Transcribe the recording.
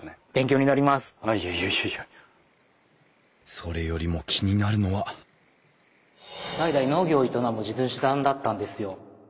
それよりも気になるのは代々農業を営む地主さんだったんですよ。